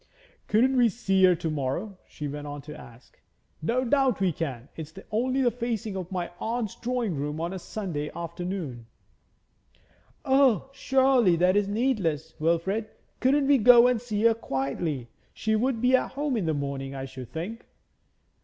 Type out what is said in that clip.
'Couldn't we see her to morrow?' she went on to ask. 'No doubt we can. It's only the facing of my aunt's drawing room on a Sunday afternoon.' 'O, surely that is needless, Wilfrid? Couldn't we go and see her quietly? She would be at home in the morning, I should think.'